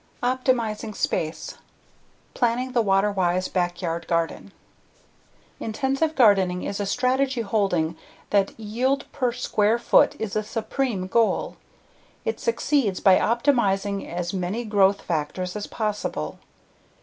Optimizing Space: Planning the Water Wise Backyard Garden Intensive gardening is a strategy holding that yield per square foot is the supreme goal; it succeeds by optimizing as many growth factors as possible.